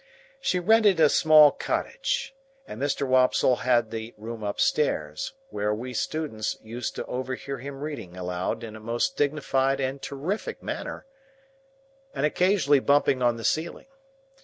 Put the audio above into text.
She rented a small cottage, and Mr. Wopsle had the room upstairs, where we students used to overhear him reading aloud in a most dignified and terrific manner, and occasionally bumping on the ceiling.